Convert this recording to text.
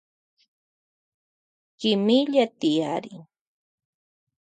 Tiyari kimilla.